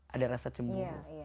ada rasa cemburu